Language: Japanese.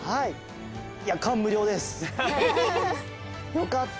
よかった！